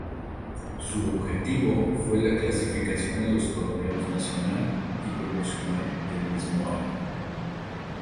Su objetivo fue la clasificación a los torneos Nacional y Promocional del mismo año.